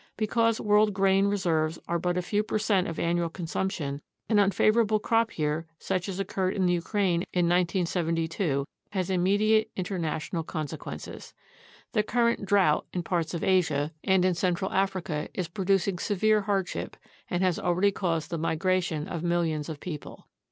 Because world grain reserves are but a few percent of annual consumption, an unfavorable crop year, such as occurred in the Ukraine in 1972, has immediate inter national consequences. The current drought in parts of Asia and in £ UNDERSTANDING CLIMATIC CHANGE central Africa is producing severe hardship and has already caused the migration of millions of people.